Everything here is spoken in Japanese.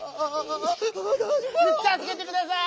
たすけてください！